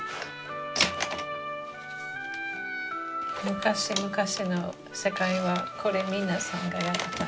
昔々の世界はこれ皆さんがやってたんやね。